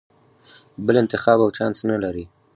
بل انتخاب او چانس نه لرې.